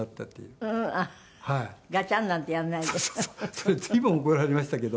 それ随分怒られましたけど。